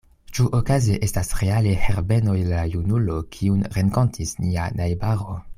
Ĉu okaze estas reale Herbeno la junulo, kiun renkontis nia najbaro?